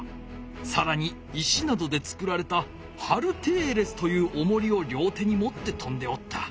さらに石などで作られたハルテーレスというおもりを両手にもってとんでおった。